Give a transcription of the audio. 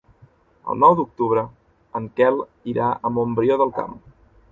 El nou d'octubre en Quel irà a Montbrió del Camp.